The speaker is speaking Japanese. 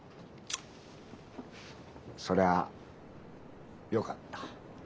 そりゃよかった。